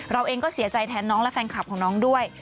เราเองก็เสียใจแทนน้องและแฟนคลับของน้องด้วย